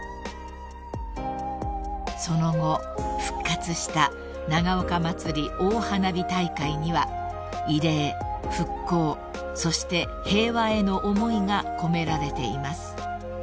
［その後復活した長岡まつり大花火大会には慰霊復興そして平和への思いが込められています］